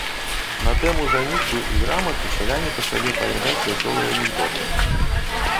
На тэму жаніцьбы і граматы сяляне пачалі апавядаць вясёлыя анекдоты.